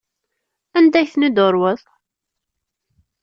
Anda ay ten-id-turweḍ?